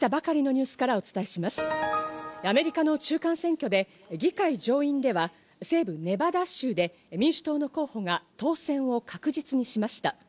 アメリカの中間選挙で議会上院では西部ネバダ州で民主党の候補が当選を確実にしました。